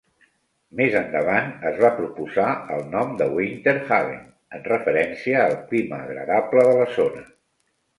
Més endavant es va proposar el nom de Winter Haven, en referència al clima agradable de la zona.